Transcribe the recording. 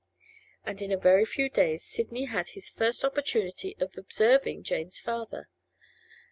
And in a very few days Sidney had his first opportunity of observing Jane's father.